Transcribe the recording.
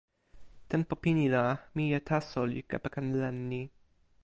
tenpo pini la mije taso li kepeken len ni.